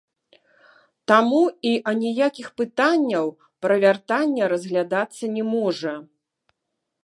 Таму і аніякіх пытанняў пра вяртанне разглядацца не можа.